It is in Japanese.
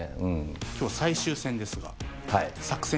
今日最終戦ですが。